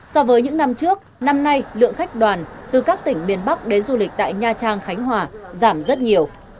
so với những năm trước năm nay lượng khách đoàn từ các tỉnh miền bắc đến du lịch tại nha trang khánh hòa giảm rất nhiều